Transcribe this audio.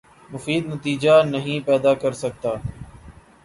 مفید نتیجہ نہیں پیدا کر سکتا